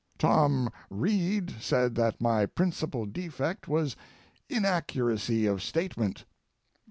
Tom Reed said that my principal defect was inaccuracy of statement.